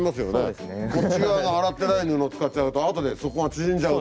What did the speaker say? こっち側の洗ってない布を使っちゃうとあとでそこが縮んじゃうと。